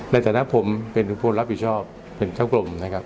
ในฐานะผมเป็นคนรับผิดชอบเป็นเจ้ากรมนะครับ